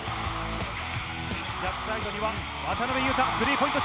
逆サイドには渡邊雄太、スリーポイント！